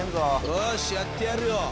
よしやってやるよ！